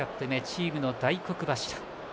チームの大黒柱。